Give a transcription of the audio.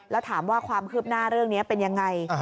แล้วถามว่าความคืบหน้าเรื่องนี้เป็นยังไง